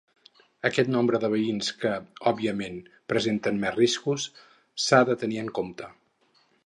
Aquest nombre de veïns que, òbviament, presenten més riscos s'ha de tenir en compte.